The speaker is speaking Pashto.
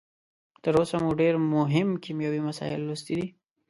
تر اوسه مو ډیر مهم کیمیاوي مسایل لوستلي دي.